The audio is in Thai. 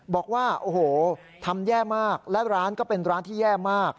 บอกว่าโอ้โหทำแย่มากและร้านก็เป็นร้านที่แย่มาก